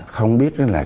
không biết là